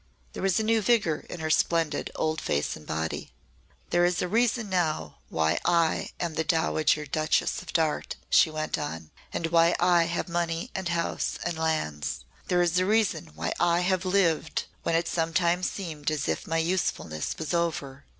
There was a new vigour in her splendid old face and body. "There is a reason now why I am the Dowager Duchess of Darte," she went on, "and why I have money and houses and lands. There is a reason why I have lived when it sometimes seemed as if my usefulness was over.